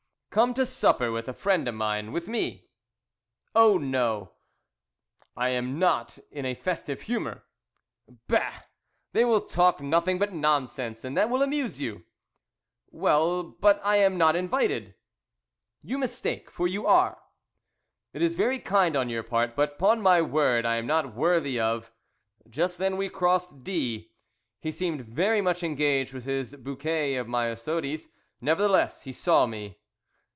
"Come to supper with a friend of mine, with me." "Oh, no I am not in a festive humour." "Bah! They will talk nothing but nonsense, and that will amuse you." "Well but I am not invited!" "You mistake for you are." "It is very kind on your part but 'pon my word I am not worthy of " Just then we crossed D . He seemed very much engaged with his bouquet of myosotis. Nevertheless he saw me.